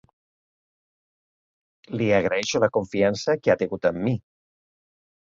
Li agraeixo la confiança que ha tingut amb mi.